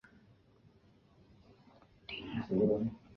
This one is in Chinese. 书中怀亚特被描述成为一个传奇英雄。